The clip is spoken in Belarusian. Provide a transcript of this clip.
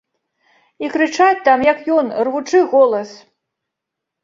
І крычаць там, як ён, рвучы голас.